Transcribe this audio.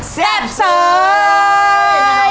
แซ่บเสย